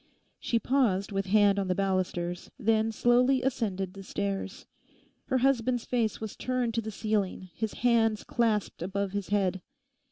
She paused with hand on the balusters, then slowly ascended the stairs. Her husband's face was turned to the ceiling, his hands clasped above his head.